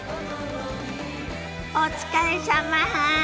お疲れさま。